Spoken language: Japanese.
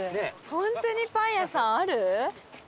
ホントにパン屋さんある？